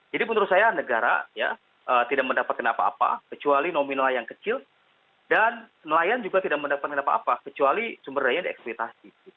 jadi menurut saya negara tidak mendapatkan apa apa kecuali nominal yang kecil dan nelayan juga tidak mendapatkan apa apa kecuali sumber daya yang dieksplitasi